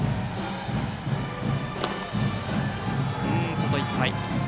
外いっぱい。